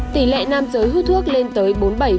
tỷ lệ nam giới hút thuốc lên tới bốn mươi bảy